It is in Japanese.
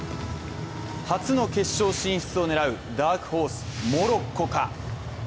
初の決勝進出を狙うダークホース・モロッコか？